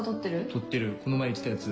撮ってるこの前言ってたやつ。